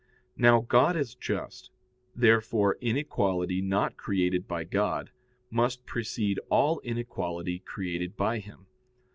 Now God is just: therefore inequality not created by God must precede all inequality created by Him.